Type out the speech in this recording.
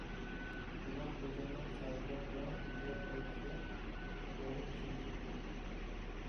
ئەمما، خوجامنىڭ تازىلاپلا ھۇجرا قىلاي دېسە، سالغۇدەك ھېچنېمىسى يوق ئىدى.